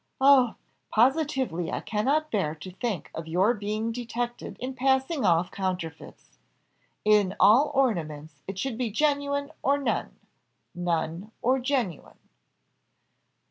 Oh! positively I cannot bear to think of your being detected in passing off counterfeits. In all ornaments, it should be genuine or none none or genuine."